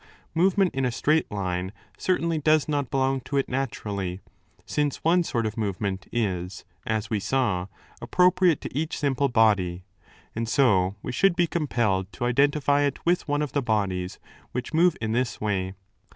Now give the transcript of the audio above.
Movement in a straight line certainly does not belong to it zaturally, since one sort of movement is, as we saw, appropriate to each simple body, and so we should be compelled to identify 35 it with one of the bodies which move in this way.